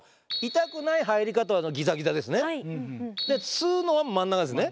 吸うのは真ん中ですね。